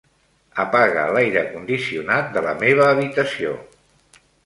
Apaga l'aire condicionat de la meva habitació.